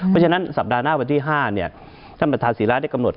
ตอนที่๕ท่านประธาศิราชได้กำหนด